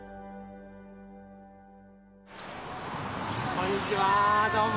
こんにちはどうも。